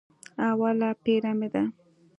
اوله پېره مې ده.